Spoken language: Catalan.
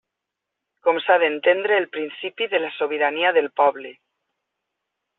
Com s'ha d'entendre el principi de la sobirania del poble.